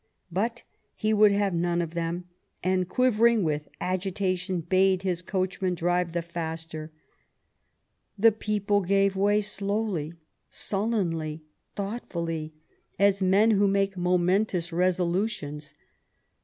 But he would have none of them, and quivering with agitation bade his coachman drive the faster. The people gave way slowly, sullenly, thoughtfully, as men who make momentous resolutions.